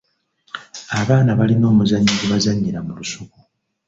Abaana balina omuzannyo gwe bazannyira mu lusuku.